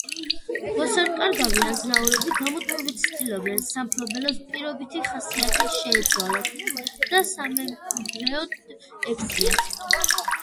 მოსაკარგავე აზნაურები გამუდმებით ცდილობდნენ სამფლობელოს პირობითი ხასიათი შეეცვალათ და სამემკვიდრეოდ ექციათ.